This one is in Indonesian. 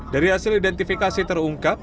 dari hasil identifikasi terungkap